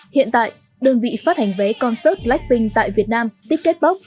hiện tại đơn vị phát hành vé concert blackpink tại việt nam ticketbox